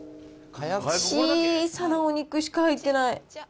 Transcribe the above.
小さなお肉しか入ってない。